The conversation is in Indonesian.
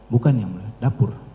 bukannya mulia dapur